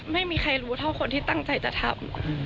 ไม่มีใครรู้เท่าคนที่ตั้งใจจะทำ